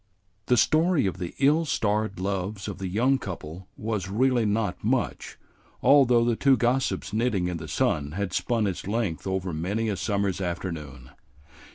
The story of the ill starred loves of the young couple was really not much, although the two gossips knitting in the sun had spun its length over many a summer's afternoon.